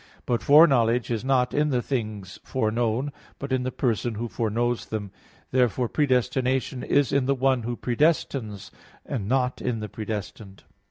But foreknowledge is not in the things foreknown, but in the person who foreknows them. Therefore, predestination is in the one who predestines, and not in the predestined.